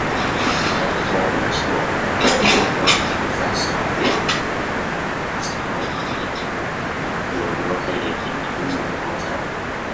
The headquarters of the local Gestapo were located in the New York Hotel.